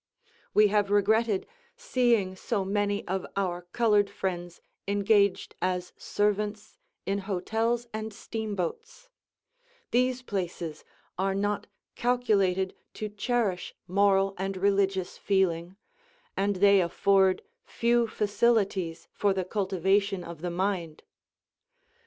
We have regretted seeing so many of our colored friends engaged as servants in hotels and steam boats; these places are not calculated to cherish moral and religious feeling, and they afford few facilities for the cultivation of the mind.